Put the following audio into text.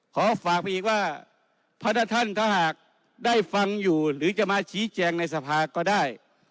ขอฝากไปอีกว่าพระท่านถ้าหากได้ฟังอยู่หรือจะมาชี้แจงในสภาก็ได้